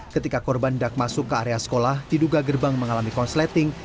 ketika korban dak masuk ke area sekolah diduga gerbang mengalami konsleting